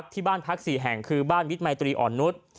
ที่บ้านพัก๔แห่งคือบ้านมิตรมัยตรีอ่อนนุษย์